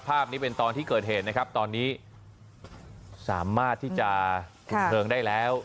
ภาพนี้เป็นตอนที่เกิดเหตุนะครับตอนนี้สามารถที่จะคุมเพลิงได้แล้ว